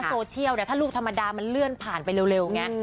โซเชียลเนี่ยถ้าลูกธรรมดามันเลื่อนผ่านไปเร็วไง